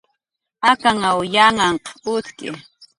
ukanw yanhanhq utki